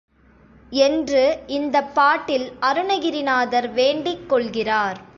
என்று இந்தப் பாட்டில் அருணகிரிநாதர் வேண்டிக் கொள்கிறார்.